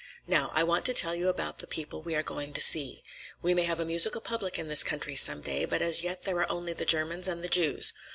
"Now, I want to tell you about the people we are going to see. We may have a musical public in this country some day, but as yet there are only the Germans and the Jews.